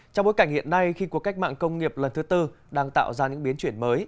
trong bối cảnh hiện nay khi cuộc cách mạng công nghiệp lần thứ tư đang tạo ra những biến chuyển mới